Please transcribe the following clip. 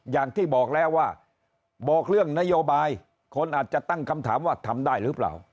อย่างที่บอกแล้วว่าบอกเรื่องนโยบายคนอาจจะตั้งคำถามว่าทำได้หรือเปล่า